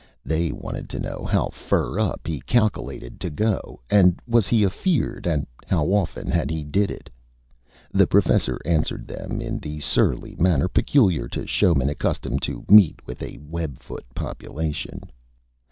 They wanted to know how fur up he Calkilated to go and was he Afeerd and how often had he did it. The Professor answered them in the Surly Manner peculiar to Showmen accustomed to meet a WebFoot Population.